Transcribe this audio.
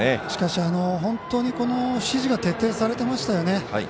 しかし、指示が徹底されてましたよね。